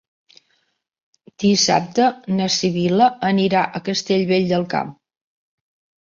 Dissabte na Sibil·la anirà a Castellvell del Camp.